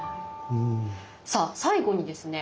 さあ最後にですね